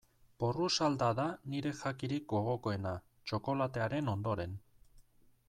Porrusalda da nire jakirik gogokoena, txokolatearen ondoren.